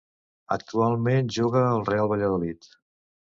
Actualment juga al Real Valladolid.